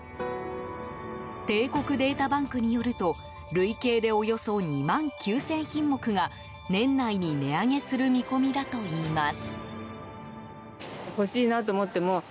帝国データバンクによると累計でおよそ２万９０００品目が年内に値上げする見込みだといいます。